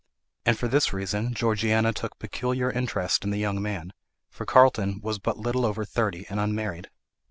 And for this reason Georgiana took peculiar interest in the young man, for Carlton was but little above thirty and unmarried.